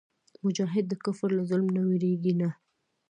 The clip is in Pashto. مجاهد د کفر له ظلم نه وېرېږي نه.